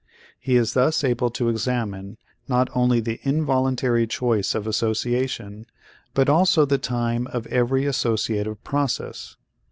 He is thus able to examine not only the involuntary choice of association but also the time of every associative process.